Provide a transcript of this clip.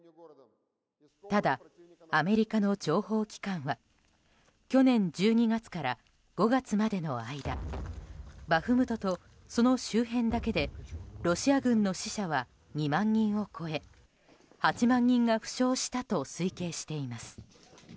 ただ、アメリカの情報機関は去年１２月から５月までの間バフムトとその周辺だけでロシア軍の死者は２万人を超え８万人が負傷したと推計しています。